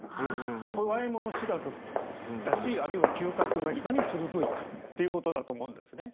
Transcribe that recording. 怖いもの知らずだしあるいは嗅覚がいかに鋭いかっていうことだと思うんですね。